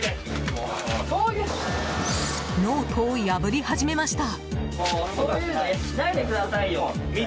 ノートを破り始めました！